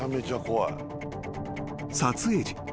［撮影時。